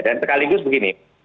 dan sekaligus begini